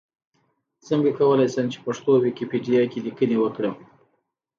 څنګه کولی شم چې پښتو ويکيپېډيا کې ليکنې وکړم؟